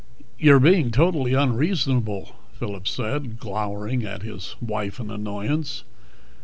"You're being totally unreasonable," Phillip said, glowering at his wife in annoyance.